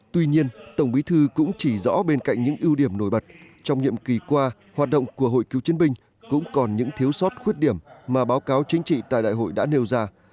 tuy nhiên tổng bí thư cũng chỉ rõ bên cạnh những ưu điểm nổi bật trong nhiệm kỳ qua hoạt động của hội cựu chiến binh cũng còn những thiếu sót khuyết điểm mà báo cáo chính trị tại đại hội đã nêu ra